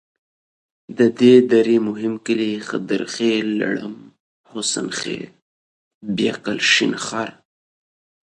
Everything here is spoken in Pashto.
د دې درې مهم کلي حیدرخیل، لړم، حسن خیل.